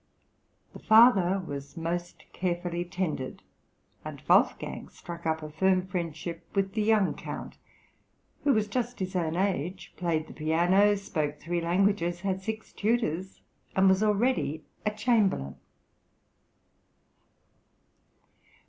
The father was most carefully tended, and Wolfgang struck up a firm friendship with the young Count, who was just his own age, played the piano, spoke three languages, had six tutors, and was already a chamberlain.